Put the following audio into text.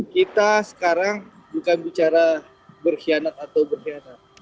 kita sekarang bukan bicara berkhianat atau berkhianat